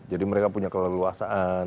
jadi mereka punya keleluasaan